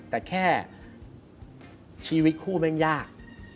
แต่แค่ชีวิตคู่แม่งยาก